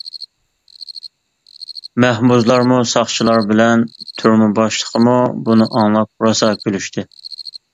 مەھبۇسلارمۇ، ساقچىلار بىلەن تۈرمە باشلىقىمۇ بۇنى ئاڭلاپ راسا كۈلۈشتى.